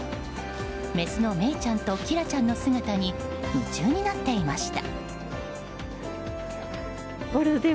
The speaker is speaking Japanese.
メスのメイちゃんとキラちゃんの姿に夢中になっていました。